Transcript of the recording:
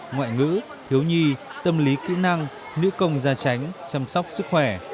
ngoại ngữ thiếu nhi tâm lý kỹ năng nữ công gia tránh chăm sóc sức khỏe